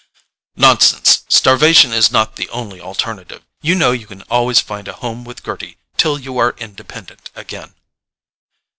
"Nonsense! Starvation is not the only alternative. You know you can always find a home with Gerty till you are independent again."